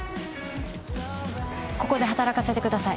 ここで働かせてください。